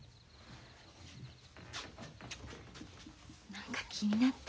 何か気になって。